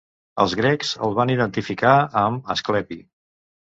Els grecs el van identificar amb Asclepi.